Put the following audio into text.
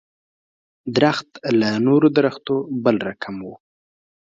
درخت له نورو درختو بل رقم و.